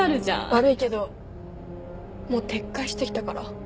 悪いけどもう撤回してきたから。